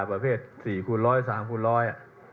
ประเภท๔คูณร้อยสามคูณร้อย